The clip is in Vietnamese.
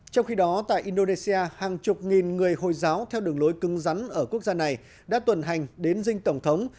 trong khi đó tại indonesia hàng chục nghìn người hồi giáo theo đường lối cứng rắn ở quốc gia này đã tuần hành đến dinh tổng thống